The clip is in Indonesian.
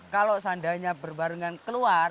kalau seandainya berbarengan keluar